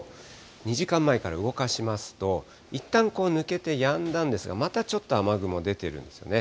２時間前から動かしますと、いったん抜けてやんだんですが、またちょっと雨雲出てるんですよね。